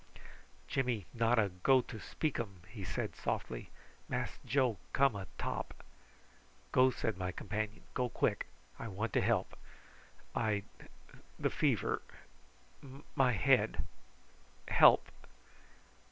"Jimmy not a go to speak um," he said softly. "Mass Joe come a top." "Go," said my companion. "Go quick. I want to help I the fever my head help."